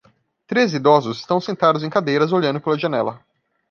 Três idosos estão sentados em cadeiras olhando pela janela.